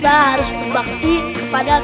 dan yang sangat penting adalah